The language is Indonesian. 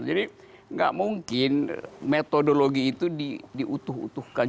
jadi gak mungkin metodologi itu diutuh utuhkan